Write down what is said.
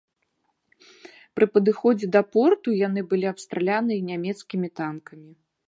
Пры падыходзе да порту, яны былі абстраляныя нямецкімі танкамі.